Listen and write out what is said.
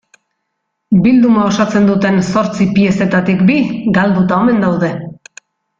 Bilduma osatzen duten zortzi piezetatik bi galduta omen daude.